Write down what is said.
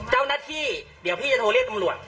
เจ้าหน้าที่เดี๋ยวพี่จะโทรเรียกตำรวจ